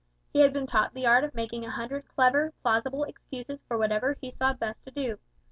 He had been taught the art of making a hundred clever, plausible excuses for whatever he saw best to do.